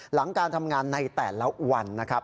หลังการทำงานในแต่ละวันนะครับ